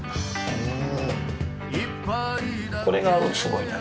うん！